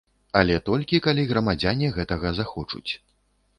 Але толькі калі грамадзяне гэтага захочуць.